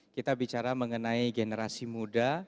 kita bicara mengenai generasi muda